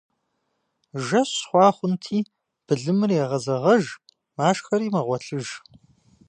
Жэщ хъуа хъунти, былымыр егъэзэгъэж, машхэри мэгъуэлъыж.